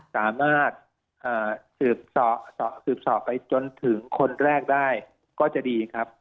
สามารถสืบสอบไปจนถึงคนแรกได้ก็จะดีครับ